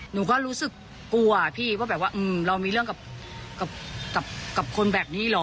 หนูก็รู้สึกกลัวพี่ว่าแบบว่าเรามีเรื่องกับคนแบบนี้เหรอ